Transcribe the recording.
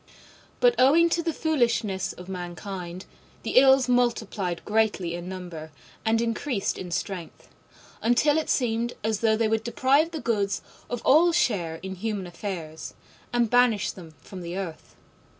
But owing to the foolishness of mankind the Ills multiplied greatly in number and increased in strength, until it seemed as though they would deprive the Goods of all share in human affairs, and banish them from the earth.